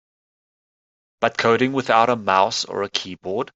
But coding without a mouse or a keyboard?